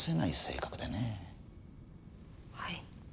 はい。